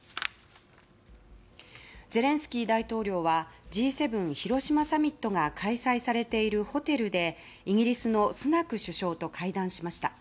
ゼレンスキー大統領はＧ７広島サミットが開催されているホテルでイギリスのスナク首相と会談しました。